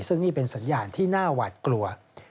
ซึ่งนี่เป็นสัญญาณที่น่าหวาดกลัว